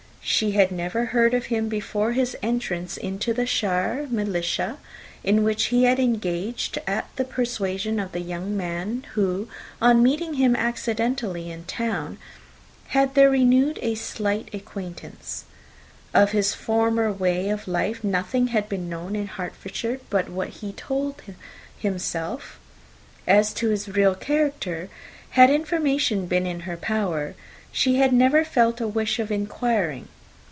She had never heard of him before his entrance into the shire militia, in which he had engaged at the persuasion of the young man, who, on meeting him accidentally in town, had there renewed a slight acquaintance. Of his former way of life, nothing had been known in Hertfordshire but what he told [Illustration: "Meeting accidentally in Town" [Copyright 1894 by George Allen.]] himself. As to his real character, had information been in her power, she had never felt a wish of inquiring.